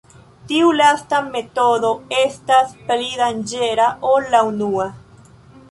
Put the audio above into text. Tiu lasta metodo estas pli danĝera ol la unua.